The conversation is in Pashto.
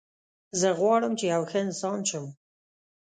زه غواړم چې یو ښه انسان شم